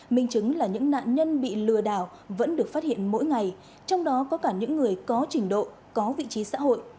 minh chứng là những nạn nhân bị lừa đảo vẫn được phát hiện mỗi ngày trong đó có cả những người có trình độ có vị trí xã hội